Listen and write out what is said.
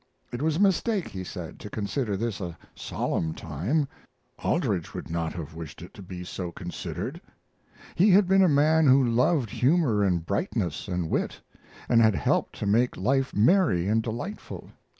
It was a mistake, he said, to consider this a solemn time Aldrich would not have wished it to be so considered. He had been a man who loved humor and brightness and wit, and had helped to make life merry and delightful.